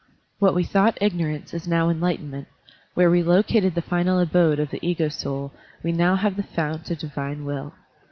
What we thought ignorance is now enlightenment; where we located the final abode of the ego soul, we have now the fount of divine will.